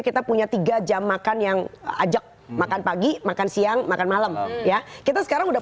kita punya tiga jam makan yang ajak makan pagi makan siang makan malam ya kita sekarang udah